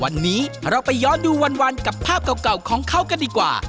วันนี้เราไปย้อนดูวันกับภาพเก่าของเขากันดีกว่า